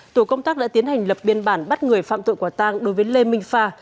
tổ công tác đã tiến hành lập biên bản bắt người phạm tội quả tang đối với lê minh phà